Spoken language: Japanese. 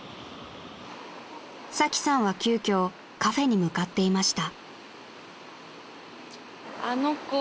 ［サキさんは急きょカフェに向かっていました］